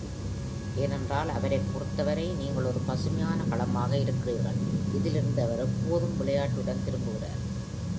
ஏனென்றால் அவரைப் பொறுத்தவரை, நீங்கள் ஒரு பசுமையான களமாக இருக்கிறீர்கள், இதிலிருந்து அவர் எப்போதும் விளையாட்டுடன் திரும்புகிறார்.